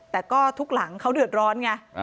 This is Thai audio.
แต่ก็ทุกหลังเขาเดือดร้อนไง